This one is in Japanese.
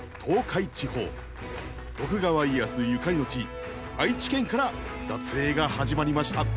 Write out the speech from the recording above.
徳川家康ゆかりの地愛知県から撮影が始まりました。